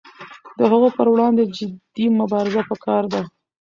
د هغو پر وړاندې جدي مبارزه پکار ده.